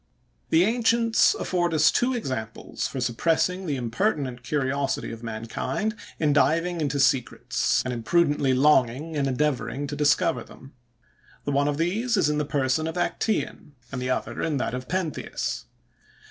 The ancients afford us two examples for suppressing the impertinent curiosity of mankind, in diving into secrets, and imprudently longing and endeavoring to discover them. The one of these is in the person of Acteon, and the other in that of Pentheus.